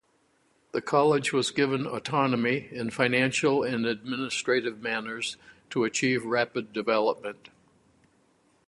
The college was given autonomy in financial and administrative matters to achieve rapid development.